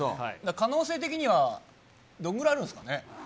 可能性的には、どんぐらいあるんですかね。